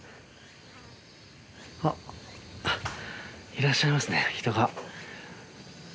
いらっしゃいますね人が。